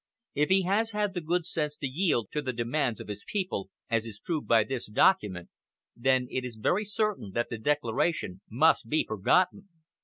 If he has had the good sense to yield to the demands of his people, as is proved by this document, then it is very certain that the declaration must be forgotten.